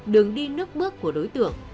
đường đi nước bước của đối tượng